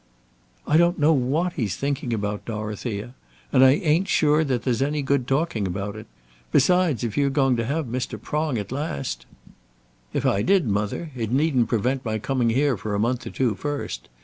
"I don't know what he's thinking about, Dorothea; and I ain't sure that there's any good talking about it. Besides, if you're going to have Mr. Prong at last " "If I did, mother, it needn't prevent my coming here for a month or two first.